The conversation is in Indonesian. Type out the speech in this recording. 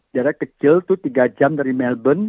daerah kecil itu tiga jam dari melbourne